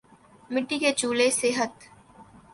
مٹی کے چولہے صحت